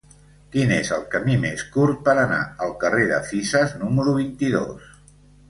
Quin és el camí més curt per anar al carrer de Fisas número vint-i-dos?